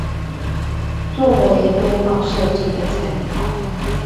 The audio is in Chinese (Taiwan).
作為規劃設計的參考